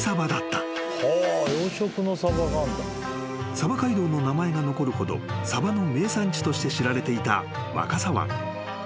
［鯖街道の名前が残るほどサバの名産地として知られていた若狭湾］